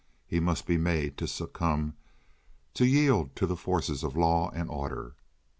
He must be made to succumb, to yield to the forces of law and order.